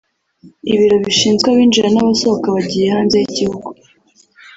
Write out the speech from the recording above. ibiro bishinzwe abinjira n’abasohoka bagiye hanze y’igihugu